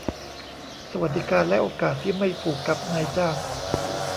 สวัสดิการและโอกาสที่ไม่ผูกกับนายจ้าง